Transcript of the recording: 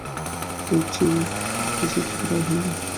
এরচেয়ে খুশির খবর আর হয় না।